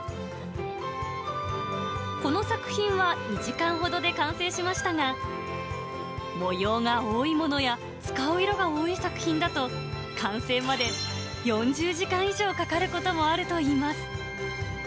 この作品は２時間ほどで完成しましたが、模様が多いものや使う色が多い作品だと、完成まで４０時間以上かかることもあるといいます。